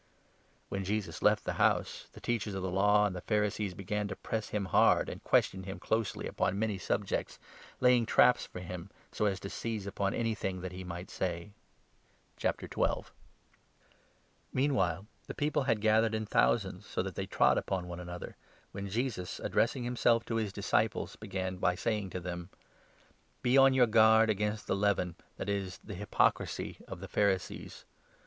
A Plot When Jesus left the house, the Teachers of the 53 against jesus. Law and the Pharisees began to press him hard and question him closely upon many subjects, laying traps for 54 him, so as to seize upon anything that he might say. Warnings and Meanwhile the people had gathered in thou __ sands, so that they trod upon one another, when Encourage Jesus, addressing himself to his disciples, began ments. j^y sayingr to them : "Be on your guard against the leaven — that is, the hypo crisy— of the Pharisees.